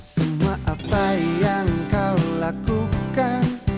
semua apa yang kau lakukan